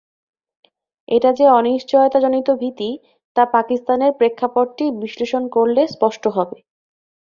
এটা যে অনিশ্চয়তাজনিত ভীতি, তা পাকিস্তানের প্রেক্ষাপটটি বিশ্লেষণ করলে স্পষ্ট হবে।